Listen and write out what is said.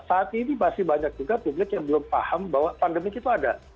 saat ini masih banyak juga publik yang belum paham bahwa pandemik itu ada